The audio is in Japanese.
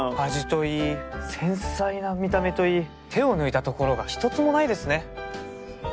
味といい繊細な見た目といい手を抜いたところが一つもないですね。